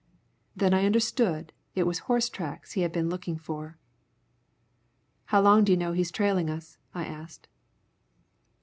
Then I understood it was horse tracks he had been looking for. "How do you know he's trailing us?" I asked.